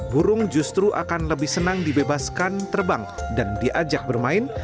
burung justru akan lebih senang dibebaskan terbang dan diajak bermain